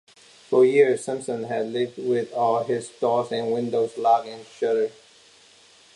For years, Simpson had lived with all his doors and windows locked and shuttered.